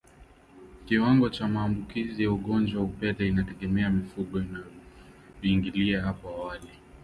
Kiwango cha maambukizi ya ugonjwa wa upele inategemea mifugo inavyoingiliana hapo awali